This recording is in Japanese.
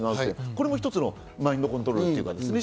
これも一つのマインドコントロールですね。